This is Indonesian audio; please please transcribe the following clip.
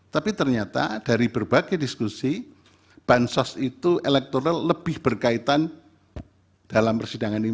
tapi ternyata dari berbagai diskusi bansos itu elektoral lebih berkaitan dalam persidangan ini